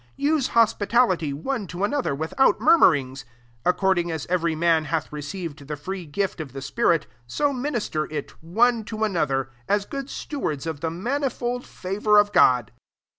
9 Use hospitality one to another without murmurings. 10 Ac cording as every man hath re ceived the free gif^ of the afiiriu 90 minister it one to another, as good stewards of the mani fold favour of God.